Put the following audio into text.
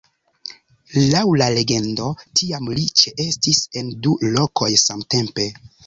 Laŭ la legendo, tiam li ĉeestis en du lokoj samtempe.